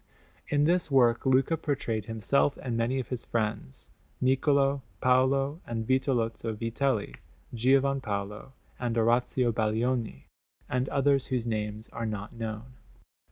In this work Luca portrayed himself and many of his friends; Niccolò, Paolo, and Vitelozzo Vitelli, Giovan Paolo and Orazio Baglioni, and others whose names are not known.